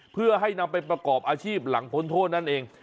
เพื่อให้นำไปประกอบอาชีพหลังพ้นโทษนั่นเอง